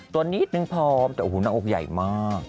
ตัวนิดนึงผอมแต่หน้าอกใหญ่มาก